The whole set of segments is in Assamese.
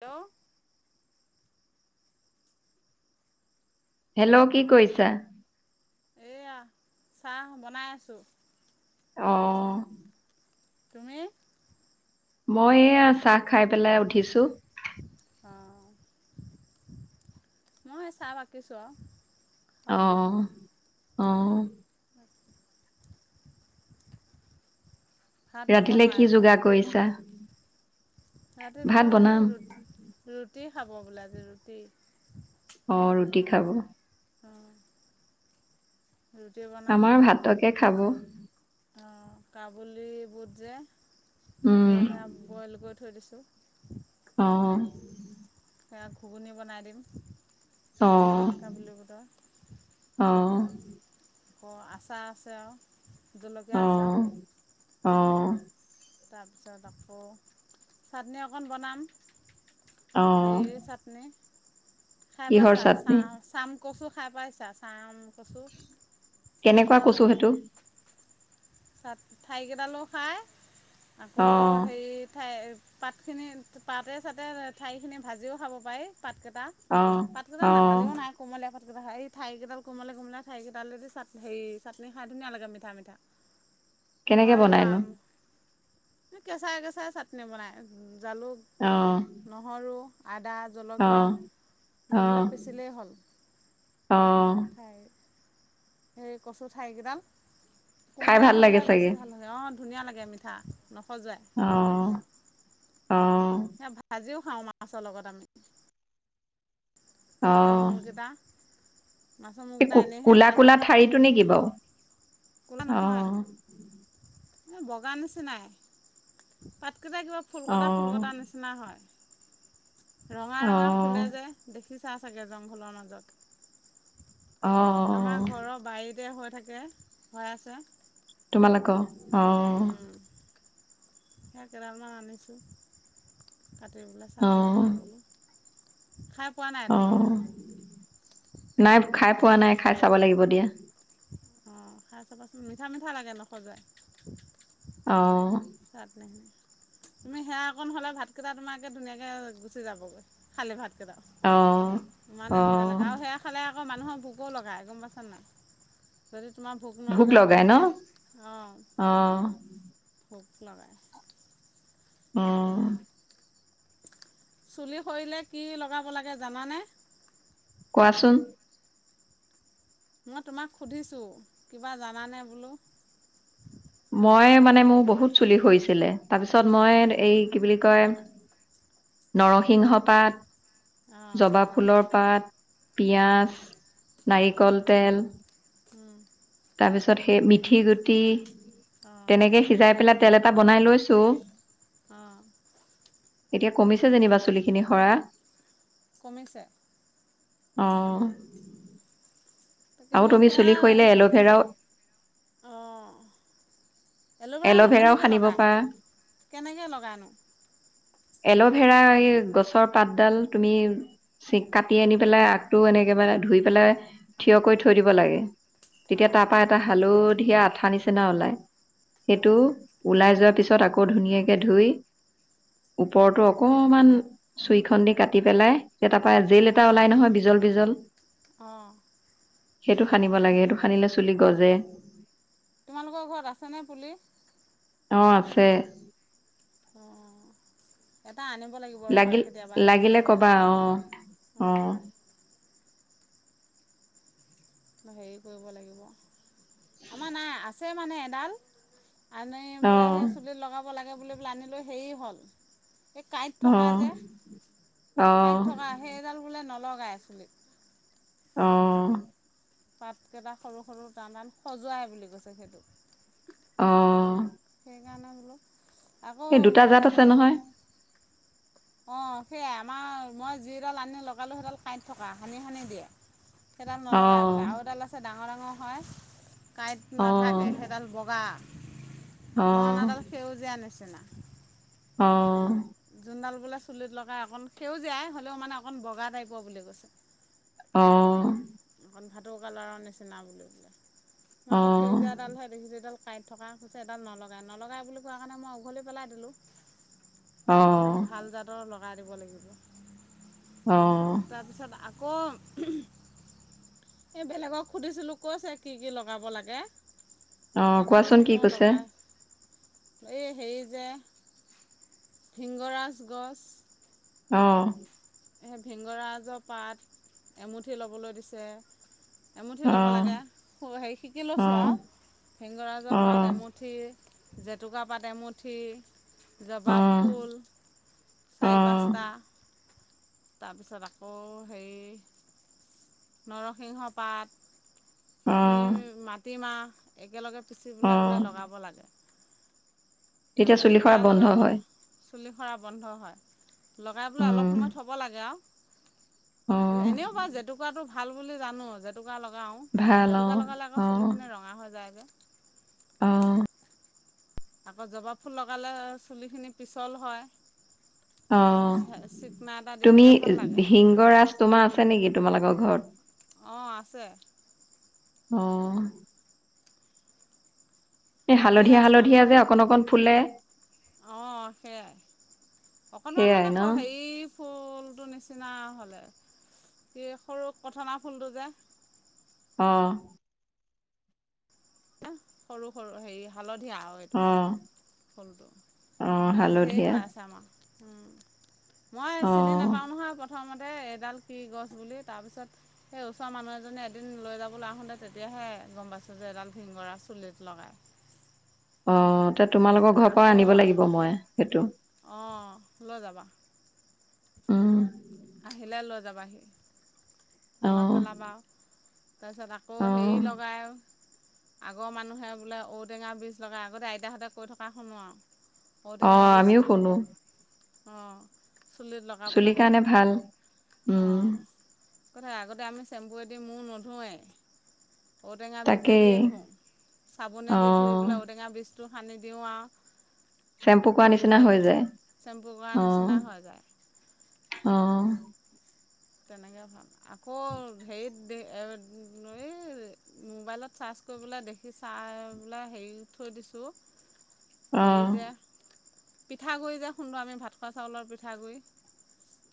হেল্ল', হেল্ল', কি কৰিছা? এয়া চাহ বনাই আছো। অ। তুমি মই এয়া চাহ খাই পেলাই উঠিছো। অ, মই চাহ বাকীছো আৰু। খাবলৈ অহ অহ। ভাত ৰাতিলে নবনোৱা কি যোগাৰ কৰিছা। ৰাতি ভাত লয় বনাম। ৰুটি ৰুটি খাব বোলোজ ৰুটি অ, ৰুটি খাব। অ', আমাৰ ভাতকে [inaudible] খাব [inaudible] অ কাবুলী বুধ যে উম, [inaudible] সেয়া বইল কৰি থৈ দিছো টো [unintelligible] অ [inaudible] ঘুগুনি বনাই দিম [inaudible] অহ কাবুলী বুটৰ অহ [inaudible] আকৌ আশা আছে আৰু [inaudible] জলকীয়া আছা [inaudible] অ', অ [inaudible] তাৰপিছত আকৌ চাটনি অকণ বনাম [inaudible] অ', হেৰি চাতনি খাই কিহৰ পাচা চা চাটনি? চ কচু খাই পাইছা চাম [inaudible] কচু [inaudible] কেনেকুৱা কচু সেইটো [inaudible] ঠাই কেইডালো খাই [inaudible] আকৌ অ', হেৰি ঠাইৰ পাতখিনি পাতে চাতে ঠাই খিনি ভাজিও খাব পাৰি [inaudible] পাতকেইটা অ', পাতকেইটা অ', নাখালেও নাই কোমলীয়া পাত [inaudible] এই ঠাইকেইডাল কোমাল কমাই ঠাই কেইডাল যদি চাত হেৰি চাটনি খাই ধুনীয়া লাগে মিঠা মিঠা [inaudible] কেনেকে হয় ৰ'বা বনাইনো [inaudible] কেঁচাই কেঁচাই চাটনি বনাই উ [inaudible] জালুক অ', নহৰু আদা জলকীয়া অ', এইবিলাক অ', পিচিলেই হ'ল অ', [inaudible] হয় [inaudible] সেই কচু ঠাইকেইডাল [inaudible] খাই কুমলীয়া ভাল লাগে হলে বেছি চাগে? ভাল হয় অ [inaudible] ধুনীয়া লাগে মিঠা ন সজায় [inaudible] অ', অ', এ ভাজিও খাও মাছৰ লগত আমি [inaudible] ত মূৰকেইটা [inaudible] মাছৰ মূৰকেইটা স এনেইহে কলা যায় কলা ঠাৰিটো নেকি বাৰু আহ বগান নিচিনাই কিবা কিবা ফুল কটা ফুল অঁ কটা নিচিনা হয় ৰঙা ৰঙা অঁ ফুলে যে দেখি সিচা চাগে জংঘলৰ মাজত অঁ আমাৰ ঘৰৰ বাৰীতে হয় থাকে হয় আছে তোমাল ক অ সেয়া কেইদালমান আনিছোঁ কাটি বোলে চাটনি অঁ বনাম বোলো খাই পোৱা নাই তোমাৰ অঁ নাই খাই পোৱা নাই খাই চাব লাগিব দিয়া অঁ খাই চাবাচোন মিঠা মিঠা লাগে নখজাই অ তাত ন তুমি সেয়া অকণহ'লে ভাতকেইটা তোমাৰে ধুনীয়াকৈ গুচি যাবগৈ খালী ভাত কাইটা অঁ ইমানে ধুনীয়া অঁ লাগে আৰু সেয়া খালে আকৌ মানুহৰ ভোক লগায় গম পাইছ নাই যদি তোমাৰ ভোক নলগা হৈ লগাই ন থাকে অঁ অঁ ভোক লগায়াই অ চুলি সৰিলে কি লগাব লাগে জানানে কোৱাচোন মই তোমাক সুধিছোঁ কিবা জানানে বোলো মই মানে মোৰ বহুত চুলি হৈৰিছিলে তাৰপিছত মই এই কি বুলি কয় নৰসিংহ পাত অঁ জবা ফুলৰ পাত অঁ পিয়িয়াজ নাৰিকল তেল উম তাৰপিছত সেই মিথি গুটি অঁ তেনেকে সিজাই পেলাই তেল এটা বনাই লৈছো অহ এতিয়া কমিছে যেনিবা চুলি খিনি সৰা কমিছে অ'। তাকে আৰু মই তুমি সেয়া, চুলি সৰিলে সেইটো, এল'ভেৰাও অ'। এল'ভেৰানো এল'ভেৰাও কেনেকৈ সানিব লগায়? পাৰা কেনেকে লগাইনো? এল'ভেৰা এই গছৰ পাতডাল তুমি কাটি আনি পেলাই, আগটো এনেকে মানে ধুই পেলাই থিয় কৰি থৈ দিব লাগে। তেতিয়া অঁ তাৰ পৰা এটা হালধ ধিয়া আঠা নিচিনা ওলাই। অঁ সেইটো ওলাই যোৱা পিছত আকৌ ধুনীয়াকে ধুই ওপৰতো অঁ অকমান চুই খন দি কাটি পেলাই তাৰ পৰা জেল এটা ওলাই নহয় বিজল বিজল। অ'। সেইটো সানিব লাগে, সেইটো সানিলে চুলি গজে। তোমালোকৰ ঘৰত আছেনে পুলি? অ' আছে। অ' এত লাগিল, লাগিলে কবা, অ' অ'। অঁ হেৰি কৰিব লাগিব, আমাৰ নাই আছে মানে এডাল। আনে অ বোলে সেই চুলিত লগাব লাগে আনিলো হেৰি হ'ল। এই কাঁইট থকা যে, অ কাঁইট থকা সেইডাল বোলে ন লগাই চুলিত। অহ'। পাতকেইটা সৰু সৰু টান টান সজুৱাই বুলি কৈছে সেইটো। অ'। সেইকাৰণে বোলো সেই দুটা জাত আছে নহয়। অ', সেয়াই আমাৰ মই যিদাল আনি লগালোঁ সেইডাল কাঁইট থকা, সানি সানি দিয়ে। সেইডাল অ নলগাই বোলে আৰু এডাল আছে ডাঙৰ ডাঙৰ হয়। কাঁইট অ নাথাকে, সেইডাল বগা। অ অ মই অনাডাল সেউজীয়া নিচিনা। অ'। নাল বোলে চুলিত লগাই অকণ সেউজীয়াই, হ'লেও মানে অকণ বগা টাইপৰ বুলি কৈছে। অ'। ভাটৌ কালাৰৰ নিচিনা বুলি কৈছে। মই অ আকৌ সেউজীয়াডাল হে দেখিছো এইডাল- কাঁইট থকা হৈছে এডাল নলগাই, নলগাই বুলি কোৱা কাৰণে মই উঘালি পেলাই দিলোঁ। অ। ত লগাই দিব লাগিব। আহ। তাৰপিছত আকৌ এই বেলেগক সুধিছিলোঁ কৈছে কি কি লগাব লাগে। অ তাকে বোলো কোৱাচোন কি মই কৈছে? লগাই এই হেৰি যে ভিংগৰাজ গছ। আহ। সেই ভিংগৰাজৰ পাত এমুঠি ল'বলৈ দিছে। এমুঠি অ ল'ব লাগে, হেৰি শিকি অ অ লৈছোঁ আৰু ভিংগৰাজৰ অ পাত এমুঠি- জেতুকা পাত এমুঠি। অ জবা ফুল চাৰি পাঁচ টা। অ তাৰপিছত আকৌ হেৰি- নৰসিংহ পাত, সেইখিনি মাটিমাহ, একেলগে পিচি অ বোলে বোলে লগাব লাগে। তেতিয়া তাৰপিছত চুলি সৰা সেয়া লগাব বন্ধ হয়। চুলি সৰা বন্ধ হয়। লগাই পেলাই অলপ উম সময় থ'ব লাগে আৰু। ত অ এনেও বা জেতু- ভাল বুলি জানো যে- জেতুকা লগাওঁ। ভাল জেতুকা অ', লগালে আকৌ চুলিখিনি ৰঙা হৈ যায় জে আহ আকৌ জবা ফুল লগালে চুলিখিনি পিচল হয়। অ চিকনা এটা দি তুমি থাকে ভাল লাগে ভিংগৰাজ তোমাৰ আছে নেকি? তোমালোকক- ঘৰত অ আছে। আহ এই ঢেৰ হালধীয়া হালধীয়া যে অকন অকন- ফুলে অ সেয়াই, অকণমান সেইয়াই মানে ন? হেৰি ফুলটো নিচিনা হ'লে। এই সৰু কঠনা ফুলটো যে, অ এ সৰু সৰু হেৰি হালত হালধীয়া আৰু এইটো অ', ফুলটো অ', ধেৰ হালধীয়া হৈ আছে আমাৰ উম মই চিনি অ', নাপাও নহয় প্ৰথমতে এডাল কি গছ বুলি তাৰপিছত সেই ওচৰৰ মানুহ এজনী এদিন লৈ যাবলৈ আহোতে তেতিয়াহে গম পাইছোঁ যে এডাল শিংগৰা চুলিত লগায় অ এয়া তোমালোকৰ তাৰপিছত ঘৰ পৰা আকৌ আনিব লাগিব মই সেইটো অঁ লৈ যাবা। উম আহিলে লৈ যাবাহি মনত অ', পেলাবা আৰু তাৰপিছত আকৌ হেৰি অ', লগাই আগৰ মানুহে বোলে ঔটেঙা বীজ লগাই আগতে আইতাহঁতে কৈ থকা শুনো আৰু অ আমিও শুনো অ চুলিত লগাব চুলিৰ লাগে কাৰণে ভাল অ উম, কথা আগতে আমি চেম্পু মূৰ নোধোৱাই ঔটেঙা তাকেই বীজেদিয়ে ধোওঁ চাবোনেদি ধুই অ', পেলাই ঔটেঙা বীজ টো সানি দিওঁ আৰু চেম্পু কোৱা নিচিনা হৈ যায় চেম্পু কৰা আহ নিচিনা হৈ যায় আহ উ তেনেকৈ ভাল আকৌ হেৰিত মোবাইলত চাৰ্চ কৰিবলৈ দেখি চাই পাই হেৰি থৈ দিছোঁ সেই অ', যে পিঠাগু়ি যে খুন্দো আমি ভাত খোৱা চাউলৰ পিঠাগুড়ি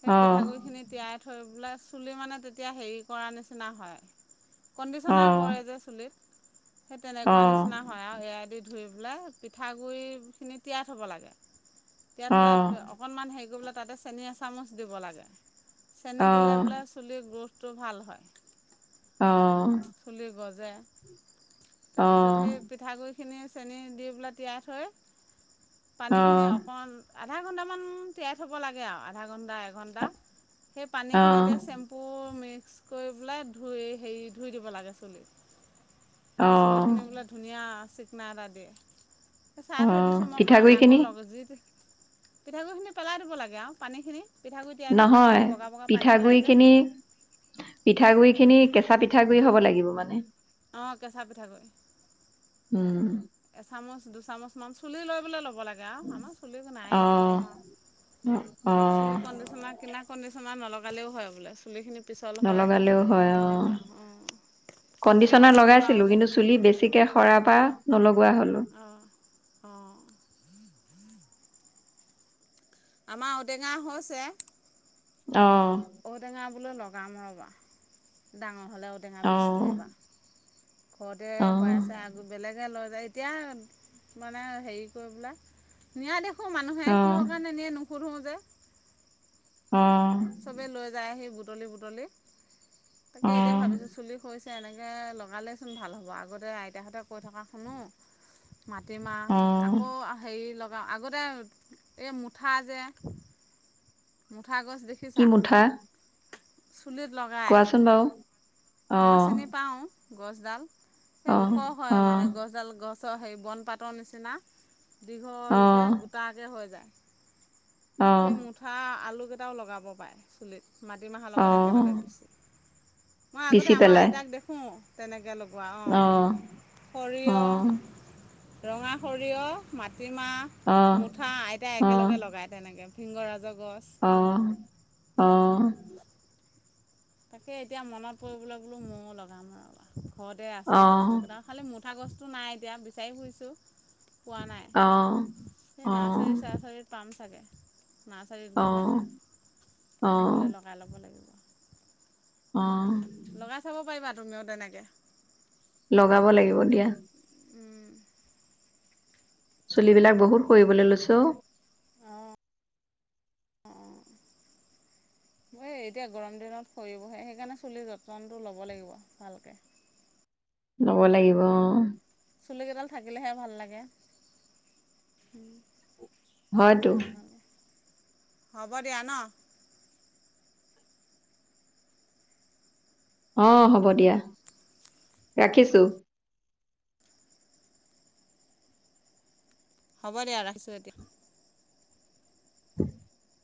সেই অ', পিঠাগুৰি খিনি তিয়াই বচুলি মানে তেতিয়া হেৰি কৰা নিচিনা হয় কণ্ডিচ্যনাৰ কৰে যে চুলিত সেই তেনেকুৱা নিচিনা হয় আৰু এ ধুই পেলাই পিঠাগুড়িখিনি তিয়াই থ'ব লাগে তেতিয়া হলে অকনমান হেৰি কৰিব তাতে চেনি এচামুচ দিব লাগে চেনী দিলে বোলে চুলি গোধ টো ভাল হয় অ যে তাৰ পিছত সেই পিঠাগুৰি চেনি চেনি দি পেলাই তিয়াই থৈয় পানীখিনি অকণমান আধা ঘন্টামান তিয়াই থ'ব লাগে আৰু আধা ঘন্টা এঘণ্টা এঘণ্টা সেই পানী খিনি এতিয়া আহ চেম্পু মিক্স কৰি পেলাই ধুই হেৰি ধুই দিব লাগে চুলিত তেতিয়া চুলি আহ খিনি বোলে ধুনীয়া চিকনা এটা দিয়ে চাহ আহ থৈ দিছো মই কৰা নাই আকৌ পিঠাগুড়িখিনি লগ যিত পিঠাগুড়িখিনি পেলাই দিব লাগে আৰু পানী খিনি পিঠাগুৰি তিয়াই থোৱা পানীখিনি হয় বগা বগা পানী ওলাই পিঠাগুৰি যায় খিনি পিঠাগুৰি খিনি কেচা পিঠাগুডৰি হ'ব লাগিব মানে। অ' কেচা পিঠাগুৰি। উম। এচামুচ দুচামুচ মান চুলি লৈ ল'ব। ল'ব লাগে আমাৰ চুলি নাই অঁ কম আৰু অঁ চুলিৰ কনডিচনাৰ কিনা কণ্ডিচনাৰ নলগালেও হয় বোলে চুলিখিনি পিছল হয়। নলগালেও হয় অ', তেনেকুৱা অঁ তাকে কণ্ডিচনাৰ ভাবিছোঁ এইবাৰ লগাইছিলো আৰুতে কিন্তু চুলি বেছিকে সৰাৰ পৰা নলগাও। অ' অ'। আমাৰ ঔটেঙা হৈছে। অঁ ঔটেঙা বোলে ল লগাম ৰবা ডাঙৰ নহ'লে ঔটেঙা অঁ বীজটোৱ এবাৰ ঘৰতে অঁ হৈ আছে আৰু বেলেগে লয়। এতিয়া মানে হেৰি কৰিব বোলে নিয়াদ মানুহে অঁ কিহৰ কাৰণে নিয়ে নো নুসোধো যে অ' চবেই লৈ যায় আহি বুটলি বুটলি। তাকে এতিয়া অঁ ভাবিছো চুলি সৰিছে। এনেকৈ লগালেচোন ভাল হ'ব, আগতে আইতাহঁতে কৈ থকা শুনো। মাটিমাহ, অঁ আকৌ হেৰি লগ আগতে এই মুঠা যে, মুঠা গছ কি দেখিছা মুঠা? চুলিত লগাই, কোৱাচোন বাৰু মই অহ চিনি পাওঁ। গছডাল। এই অহ ওখ হয় মানে অহ গছডাল গছ চ হেৰি বনপাতৰ নিচিনা। দীঘলকৈ অহ গোটাকে হৈ যায়। সেই অহ মুঠা আলু কেইটাও লগাব পাৰে চুলিত। মাটিমাহৰ লগত অহ একেলগে পিছি, মই আগতে পিচি আমাৰ পেলাই আইতাক দেখোঁ। তেনেকে লগ, [unintelligible] অহ সৰিয়হ অহ ৰঙা সৰিয়হ, মাটি কুচিমাহ, মুঠা আইতাই অহ একেলগে লগায় তেনেকে। সিংহৰাজ অহ'। অ'। তাকে এতিয়া মনত পৰিবলৈ বোলো মইও লগাম ৰ'বা। ঘৰতে আছেই বস্তু কেইটা খালি [unintelligible] [unintelligible] গছটো নাই এতিয়া বিচাৰি ফুৰিছোঁ। পোৱা নাই, সেই নাৰ্চাৰী চাৰ্চাৰীত পাম। [unintelligible] নাৰ্চাৰীত অহ অহ গ'লে অহ আনিবলৈ লগাই ল'ব। লাগিব অ'। লগাই চাব পাৰিবা তুমিও তেনেকে। লগাব লাগিব দিয়া। চুলিবিলাক বহুত সৰিবলে লৈছে অ'। উম, এই এতিয়া গৰম দিনত সৰিবহে, সেইকাৰণে চুলিৰ যতনটো ল'ব লাগিব ভালকে। লব লাগিব অ'। চুলিকেইডাল থাকিলেহে ভাল লাগে। হয়তো লাগিলে। [unintelligible] হ'ব দিয়া ন অ হ'ব দিয়া ৰাখিছো হ'ব দিয়া ৰাখিছোঁ এতিয়া [unintelligible]